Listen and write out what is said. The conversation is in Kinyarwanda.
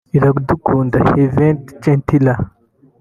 Iradukunda Hyvette Gentille